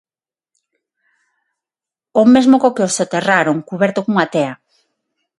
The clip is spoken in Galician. O mesmo co que o soterraron, cuberto cunha tea.